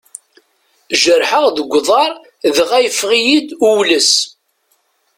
Jerḥeɣ deg uḍar dɣa yeffeɣ-iyi-d uwles.